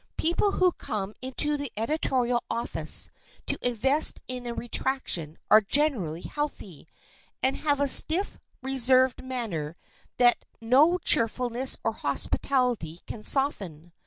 People who come into the editorial office to invest in a retraction are generally healthy, and have a stiff, reserved manner that no cheerfulness or hospitality can soften.